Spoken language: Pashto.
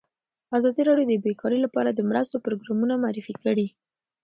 ازادي راډیو د بیکاري لپاره د مرستو پروګرامونه معرفي کړي.